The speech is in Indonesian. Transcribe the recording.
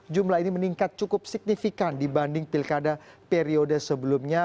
jumlah ini meningkat cukup signifikan dibanding pilkada periode sebelumnya